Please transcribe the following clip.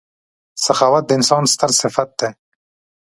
• سخاوت د انسان ستر صفت دی.